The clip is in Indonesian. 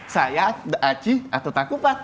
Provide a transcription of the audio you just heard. saya aci atau taku pak